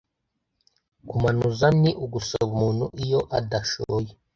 Kumanuza ni ugusaba umuntu iyo adashooye